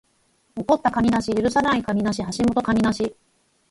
起こった神無許さない神無橋本神無